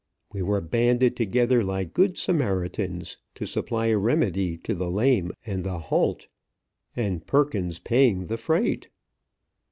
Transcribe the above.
We were banded together like good Samaritans to supply a remedy to the lame and the halt. And Perkins paying the freight.